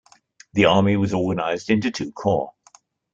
The army was organized into two corps.